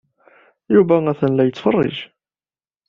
Yuba atan la yettfeṛṛiǧ.